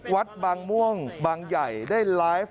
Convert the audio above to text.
วัดบางม่วงบางใหญ่ได้ไลฟ์